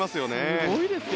すごいですよ